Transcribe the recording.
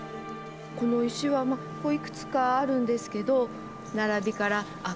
この石はまあここいくつかあるんですけど並びからあ